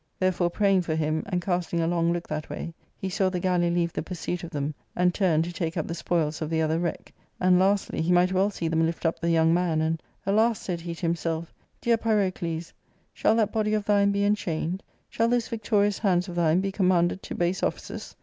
Therefore praying for him, and casting a long look that way, he saw the galley leave the pursuit of them and turn to take up the spoils of the other wreck ; and, lastly, he might well see them lift up the young ;nan ; and, " Alas !" said he to himself, " dear Pycoclfis, shall that body of thine be enchained? Shall those victorious hands of thine be commanded to base offices